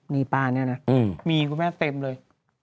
นี่ป้าเนี่ยนะมีคุณแม่เต็มเลย